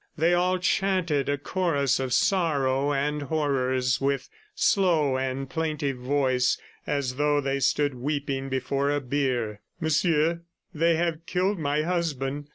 They all chanted a chorus of sorrow and horrors with slow and plaintive voice, as though they stood weeping before a bier: "Monsieur, they have killed my husband."